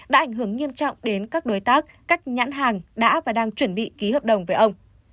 đã ảnh hưởng nghiêm trọng đến các đối tác các nhãn hàng đã và đang chuẩn bị ký hợp đồng với ông